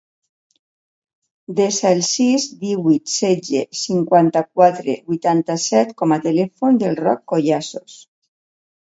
Desa el sis, divuit, setze, cinquanta-quatre, vuitanta-set com a telèfon del Roc Collazos.